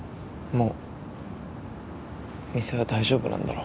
もう店は大丈夫なんだろ？